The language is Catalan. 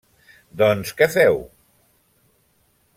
¿Doncs, què feu?